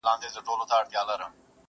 چي په ښکار وي راوتلي د پشیانو.